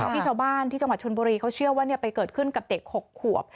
ที่ชาวบ้านที่จังหวัดชนบุรีเขาเชื่อว่าไปเกิดขึ้นกับเด็ก๖ขวบ